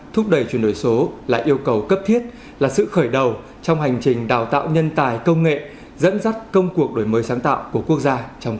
thúc đẩy chuyển đổi số là yêu cầu cấp thiết là sự khởi đầu trong hành trình đào tạo nhân tài công nghệ dẫn dắt công cuộc đổi mới sáng tạo của quốc gia